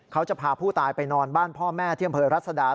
เขาจะพาผู้ตายไปนอนบ้านพ่อแม่ที่อำเภอรัศดา